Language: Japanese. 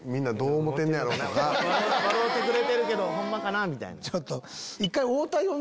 笑うてくれてるけどホンマかな？みたいな。